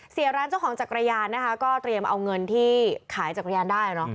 เสียร้านเจ้าของจักรยานนะคะก็เตรียมเอาเงินที่ขายจักรยานได้เนอะ